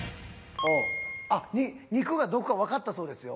肉がどこかわかったそうですよ。